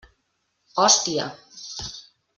Hòstia!